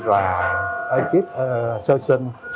và ekip sơ sinh